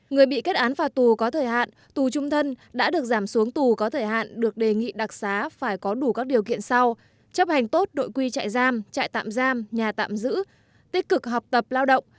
người bị kết án phạt tù có thời hạn tù trung thân đã được giảm xuống tù có thời hạn được đề nghị đặc xá phải có đủ các điều kiện sau chấp hành tốt đội quy chạy giam trại tạm giam nhà tạm giữ tích cực học tập lao động